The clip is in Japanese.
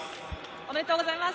おめでとうございます。